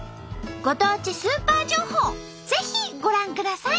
ご当地スーパー情報ぜひご覧ください！